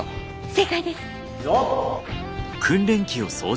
正解です！